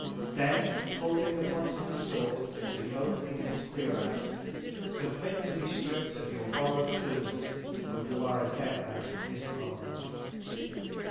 Then holding the Point of his Sword to the opening of his Cuirass, Submit to be stripp'd of your borrow'd Plumes, or you are a dead Man this Moment.